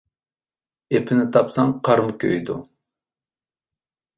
ئېپىنى تاپساڭ قارمۇ كۆيىدۇ.